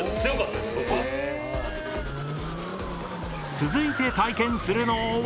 続いて体験するのは。